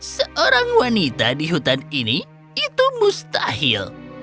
seorang wanita di hutan ini itu mustahil